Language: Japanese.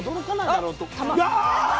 うわ！